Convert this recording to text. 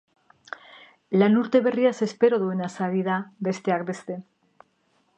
Lan urte berriaz espero duenaz aritu da, besteak beste.